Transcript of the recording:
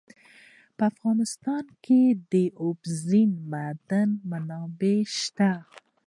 په افغانستان کې د اوبزین معدنونه منابع شته.